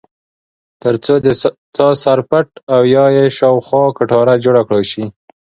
ترڅو د څاه سر پټ او یا یې خواوشا کټاره جوړه کړای شي.